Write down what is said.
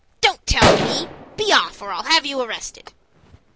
"Don't tell me. Be off, or I'll have you arrested."